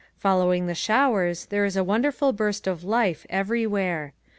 Following the showers there is a wonderful burst of life everywhere.